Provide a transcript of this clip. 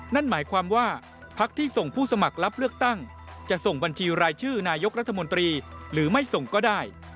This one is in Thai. นั่นหมายความว่าพักที่ส่งผู้สมัครรับเลือกตั้งจะส่งบัญชีรายชื่อนายกรัฐมนตรีหรือไม่ส่งก็ได้